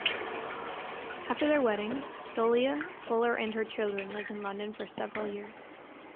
After their wedding, Dullea, Fuller and her children lived in London for several years.